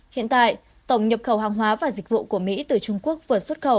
hiện tại tổng nhập khẩu hàng hóa và dịch vụ của mỹ từ trung quốc vừa xuất khẩu